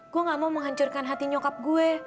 kok gak mau menghancurkan hati nyokap gue